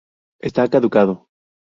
Está caducado.